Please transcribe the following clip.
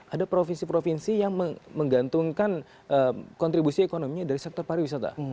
ada provinsi provinsi yang menggantungkan kontribusi ekonominya dari sektor pariwisata